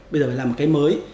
bây giờ phải làm một cái mới